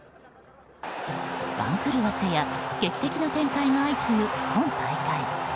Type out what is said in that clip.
番狂わせや劇的な展開が相次ぐ今大会。